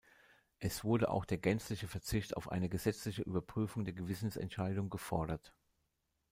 Es wurde auch der gänzliche Verzicht auf eine gesetzliche Überprüfung der Gewissensentscheidung gefordert.